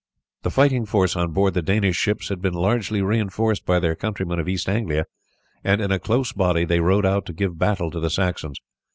The fighting force on board the Danish ships had been largely reinforced by their countrymen of East Anglia, and in a close body they rowed out to give battle to the Saxons.